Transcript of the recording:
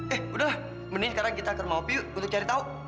eh udah mending sekarang kita ke rumah opi yuk untuk cari tau